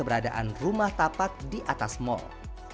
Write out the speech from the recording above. keberadaan rumah tapak di atas mall